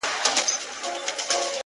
د ظالم لور!